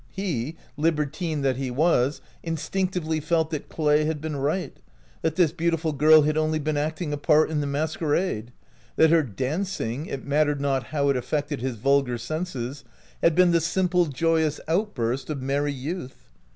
He, liber tine that he was, instinctively felt that Clay had been right — that this beautiful girl had only been acting a part in the masquerade ; that her dancing, it mattered not how it affected his vulgar senses, had been the simple, joyous outburst of merry youth.